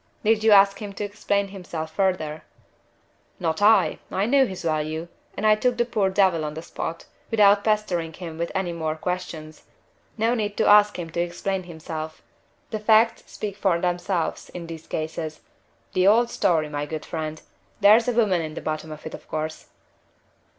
"Did you ask him to explain himself further?" "Not I! I knew his value, and I took the poor devil on the spot, without pestering him with any more questions. No need to ask him to explain himself. The facts speak for themselves in these cases. The old story, my good friend! There's a woman at the bottom of it, of course."